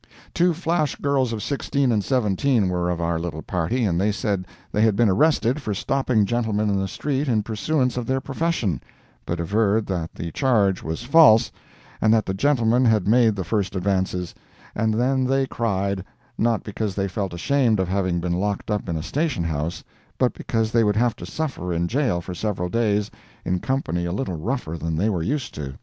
Two flash girls of sixteen and seventeen were of our little party, and they said they had been arrested for stopping gentlemen in the street in pursuance of their profession, but averred that the charge was false, and that the gentlemen had made the first advances; and then they cried—not because they felt ashamed of having been locked up in a Station House, but because they would have to suffer in jail for several days, in company a little rougher than they were used to.